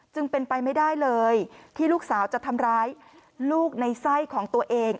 จึงเป็นไปไม่ได้เลยที่ลูกสาวจะทำร้ายลูกในไส้ของตัวเอง